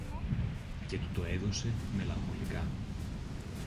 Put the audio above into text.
και του το έδωσε μελαγχολικά.